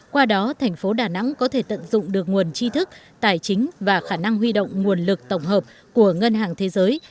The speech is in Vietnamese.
qua đó thành phố đà nẵng có thể tận dụng được nguồn chi thức tài chính và khả năng huy động nguồn lực tổng hợp của ngân hàng thế giới